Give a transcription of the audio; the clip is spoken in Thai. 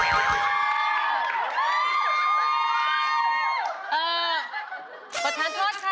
เอ่อขอตัดทอดค่ะ